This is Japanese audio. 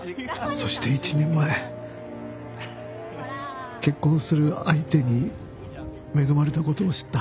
そして１年前結婚する相手に恵まれたことを知った。